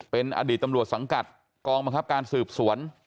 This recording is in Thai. เป็นอดีตตำรวจสังกัดกองบังคับการสืบสวน